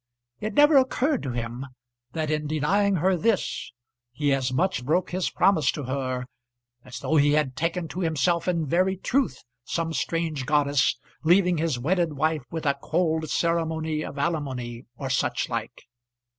It never occurred to him that in denying her this he as much broke his promise to her as though he had taken to himself in very truth some strange goddess, leaving his wedded wife with a cold ceremony of alimony or such like.